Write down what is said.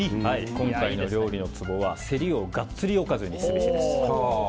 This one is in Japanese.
今回の料理のツボはセリをガッツリおかずにすべしです。